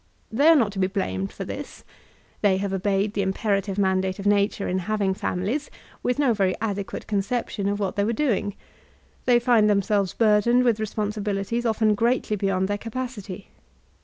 They are not to be blamed for this. They have obeyed the imperative mandate of nature in having families, with no very adequate conception of what they were doing; they find themselves burdened with responsibilities often greatly beyond their capacity.